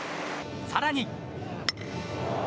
更に。